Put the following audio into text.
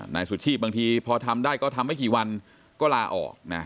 นายสุชีพบางทีพอทำได้ก็ทำไม่กี่วันก็ลาออกนะ